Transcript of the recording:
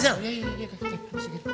siapa lagi sih ini ya